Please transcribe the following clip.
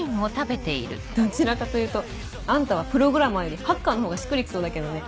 どちらかというとあんたはプログラマーよりハッカーのほうがしっくり来そうだけどね。